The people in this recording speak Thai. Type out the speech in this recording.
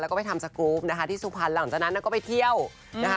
แล้วก็ไปทำสกรูปนะคะที่สุพรรณหลังจากนั้นก็ไปเที่ยวนะคะ